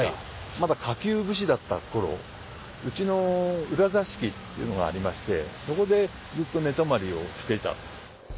まだ下級武士だった頃うちの裏座敷っていうのがありましてそこでずっと寝泊まりをしていた。